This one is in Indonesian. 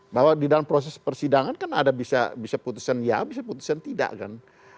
bahwa di dalam proses persidangan kan ada bisa putusan ya bisa putusan tidak kan